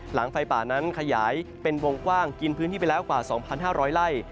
ไฟป่านั้นขยายเป็นวงกว้างกินพื้นที่ไปแล้วกว่า๒๕๐๐ไร่